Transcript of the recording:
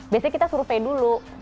biasanya kita survei dulu